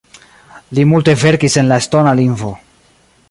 Li multe verkis en la estona lingvo.